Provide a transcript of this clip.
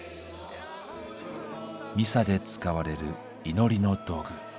ミサで使われる祈りの道具。